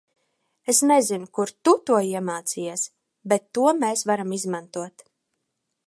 Es nezinu kur tu to iemācījies, bet to mēs varam izmantot.